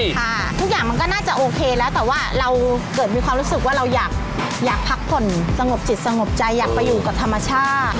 ค่ะทุกอย่างมันก็น่าจะโอเคแล้วแต่ว่าเราเกิดมีความรู้สึกว่าเราอยากพักผ่อนสงบจิตสงบใจอยากไปอยู่กับธรรมชาติ